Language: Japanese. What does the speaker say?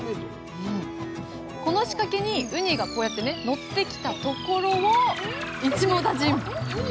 この仕掛けにウニがこうやってねのってきたところを一網打尽！